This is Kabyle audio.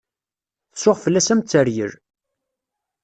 Tsuɣ fell-as am teryel.